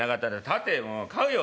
立てもう買うよ。